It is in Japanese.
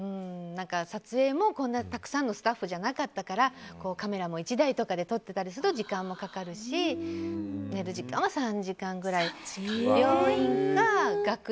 撮影も、こんなたくさんのスタッフじゃなかったからカメラも１台とかで撮ってたりすると時間もかかるし寝る時間は３時間ぐらい。